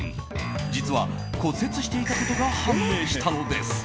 実は骨折していたことが判明したのです。